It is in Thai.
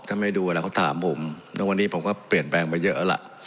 ถ้าไม่ดูอะไรเขาถามผมแล้ววันนี้ผมก็เปลี่ยนแปลงไปเยอะแล้วล่ะ